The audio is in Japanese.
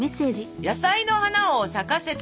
「野菜の花を咲かせて」。